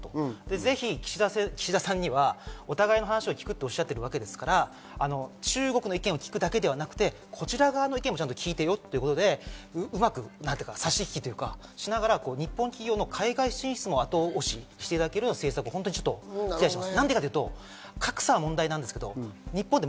ぜひ岸田さんにはお互い話を聞くと、おっしゃってるわけですから、中国の意見を聞くだけではなく、こちらの意見もちゃんと聞いてよということで、うまく差し引きとかしながら、日本企業の海外進出も後押ししていただけるような政策を期待します。